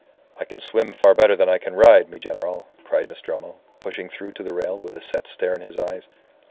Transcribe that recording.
"I can swim far better than I can ride, mi General," cried Nostromo, pushing through to the rail with a set stare in his eyes.